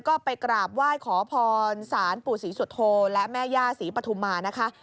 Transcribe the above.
ก็ไปกราบว่ายขอพรสารปู่ศรีสุทธโทและแม่ย่าศรีปทุมมานะคะ